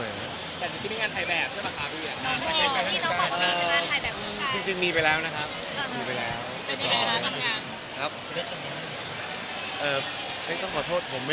เพียงมีการทำงานกับน้องน่ะทั้งประแยกทั้งนี้